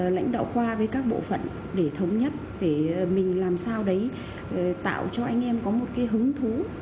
lãnh đạo khoa với các bộ phận để thống nhất để mình làm sao đấy tạo cho anh em có một cái hứng thú